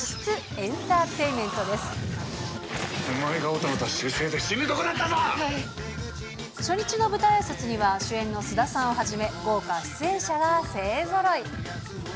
エンターテインメお前がもたもたしてるせいで、初日の舞台あいさつには主演の菅田さんをはじめ、豪華出演者が勢ぞろい。